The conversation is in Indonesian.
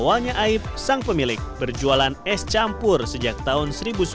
awalnya aib sang pemilik berjualan es campur sejak tahun seribu sembilan ratus sembilan puluh